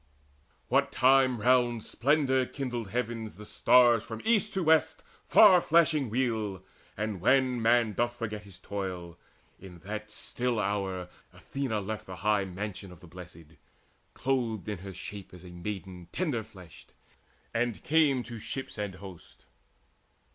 What time round splendour kindled heavens the stars From east to west far flashing wheel, and when Man doth forget his toil, in that still hour Athena left the high mansions of the Blest, Clothed her in shape of a maiden tender fleshed, And came to ships and host.